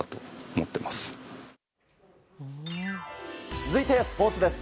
続いて、スポーツです。